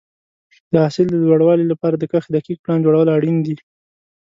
د حاصل د لوړوالي لپاره د کښت دقیق پلان جوړول اړین دي.